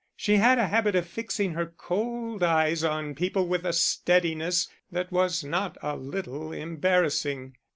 She had a habit of fixing her cold eyes on people with a steadiness that was not a little embarrassing.